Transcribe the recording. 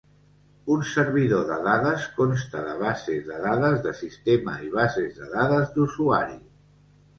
Un servidor de dades consta de bases de dades de sistema i bases de dades d'usuari.